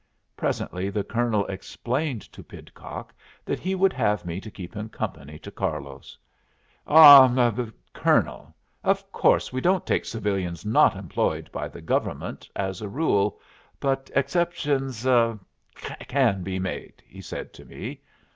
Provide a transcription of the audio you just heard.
Presently the Colonel explained to Pidcock that he would have me to keep him company to Carlos. "Oh ah, Colonel. Of course we don't take civilians not employed by the government, as a rule. But exceptions ah can be made," he said to me.